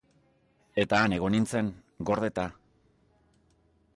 Eta han egon nintzen, gordeta.